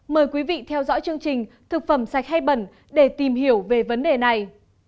mời quý vị theo dõi chương trình thực phẩm sạch hay bẩn để tìm hiểu về vấn đề này